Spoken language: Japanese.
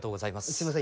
すいません